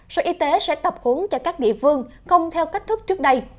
số y tế sẽ tập hướng cho các địa phương không theo cách thức trước đây